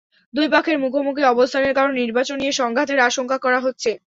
দুই পক্ষের মুখোমুখি অবস্থানের কারণে নির্বাচন নিয়ে সংঘাতের আশঙ্কা করা হচ্ছে।